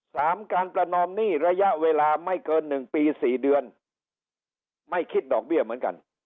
สามการประนอมหนี้ระยะเวลาไม่เกินหนึ่งปีสี่เดือนไม่คิดดอกเบี้ยเหมือนกัน